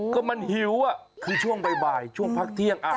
ก็มันหิวคือช่วงบ่ายช่วงพักเที่ยง